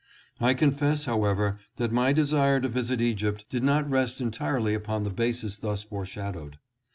I confess, however, that my desire to visit Egypt did not rest entirely upon the basis thus foreshadowed.